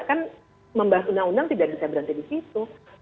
kan membahas undang undang tidak bisa berhenti di situ